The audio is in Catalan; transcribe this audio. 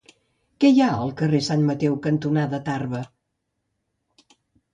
Què hi ha al carrer Sant Mateu cantonada Tarba?